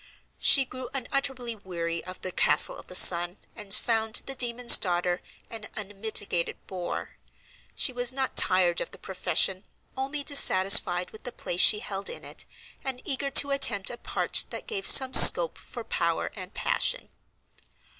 She grew unutterably weary of "The Castle of the Sun," and found the "Demon's Daughter" an unmitigated bore. She was not tired of the profession, only dissatisfied with the place she held in it, and eager to attempt a part that gave some scope for power and passion.